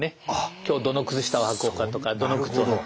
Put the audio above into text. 今日どの靴下をはこうかとかどの靴を履こうかとか。